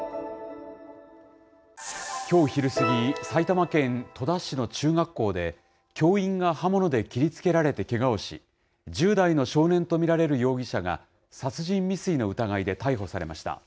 きょう昼過ぎ、埼玉県戸田市の中学校で、教員が刃物で切りつけられてけがをし、１０代の少年と見られる容疑者が、殺人未遂の疑いで逮捕されました。